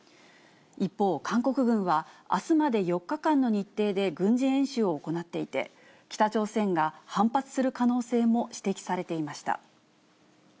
一方、韓国軍はあすまで４日間の日程で軍事演習を行っていて、北朝鮮が反発する可能性も指摘されていました。